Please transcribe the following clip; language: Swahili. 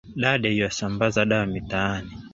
Dade yuasambaza dawa mitaani